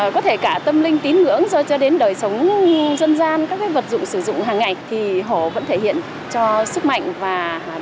có thể cả tâm linh tín ngưỡng cho đến đời sống dân gian các vật dụng sử dụng hàng ngày thì họ vẫn thể hiện cho sức mạnh và